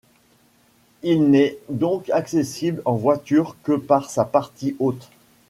Il n'est donc accessible en voiture que par sa partie haute.